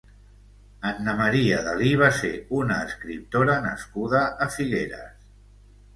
Anna Maria Dalí va ser una escriptora nascuda a Figueres.